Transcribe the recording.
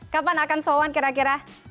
kapan akan sowan kira kira